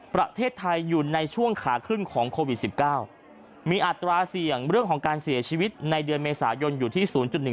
ประเทศไทยอยู่ในช่วงขาขึ้นของโควิด๑๙มีอัตราเสี่ยงเรื่องของการเสียชีวิตในเดือนเมษายนอยู่ที่๐๑